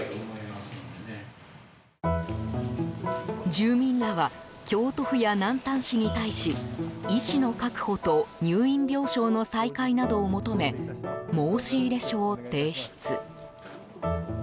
住民らは京都府や南丹市に対し医師の確保と入院病床の再開などを求め申し入れ書を提出。